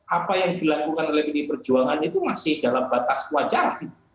apa yang dilakukan oleh pdi perjuangan itu masih dalam batas kewajaran